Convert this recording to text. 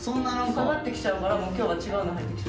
下がってきちゃうから今日は違うのはいてきた。